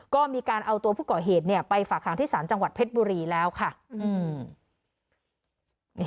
ก็มีการเอาตัวผู้ก่อเหตุไปฝากหางที่ศาลจังหวัดเพชรบุรีแล้วค่ะ